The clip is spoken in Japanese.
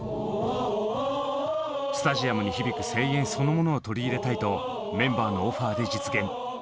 スタジアムに響く声援そのものを取り入れたいとメンバーのオファーで実現。